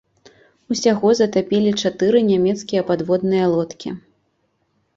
Усяго затапілі чатыры нямецкія падводныя лодкі.